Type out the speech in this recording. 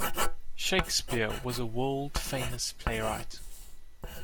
Shakespeare was a world-famous playwright.